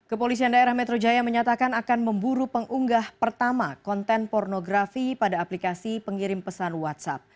kepolisian daerah metro jaya menyatakan akan memburu pengunggah pertama konten pornografi pada aplikasi pengirim pesan whatsapp